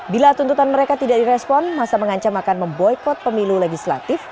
bila tuntutan mereka tidak direspon masa mengancam akan memboykot pemilu legislatif